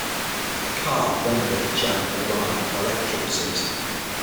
Kar, Wena, Jam, Erai are the left tributaries.